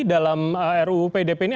dalam ruu pdp ini